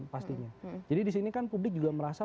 pastinya jadi di sini kan publik juga merasa